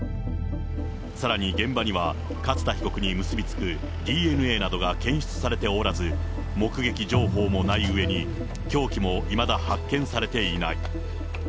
さらに、現場には勝田被告に結び付くＤＮＡなどが検出されておらず、目撃情報もないうえに、凶器もいまだ発見されていない。